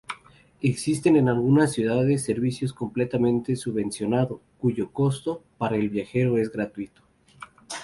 Existen en algunas ciudades servicios completamente subvencionado, cuyo costo para el viajero es gratuito.